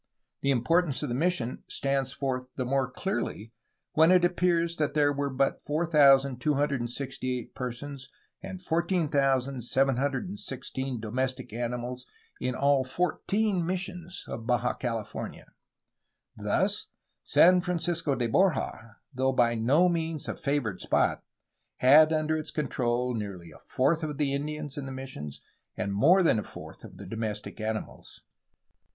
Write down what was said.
The importance of the mission stands forth the more clearly when it appears that there were but 4268 persons and 14,716 domestic animals in all four teen missions of Baja California. Thus, San Francisco de Borja, though by no means a favored spot, had under its control nearly a fourth of the Indians in the missions and more than a fourth of the domestic animals.